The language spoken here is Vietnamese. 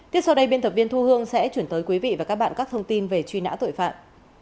tiếp sau đây biên tập viên thu hương sẽ chuyển tới quý vị và các bạn các thông tin về truy nã tội phạm